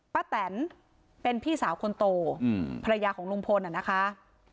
แตนเป็นพี่สาวคนโตภรรยาของลุงพลน่ะนะคะ